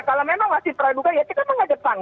kalau memang masih praduga ya kita mengedepan